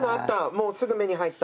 もうすぐ目に入った。